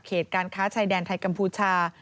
การค้าชายแดนไทยกัมพูชา